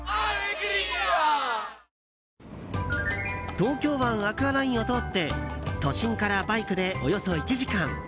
東京湾アクアラインを通って都心からバイクでおよそ１時間。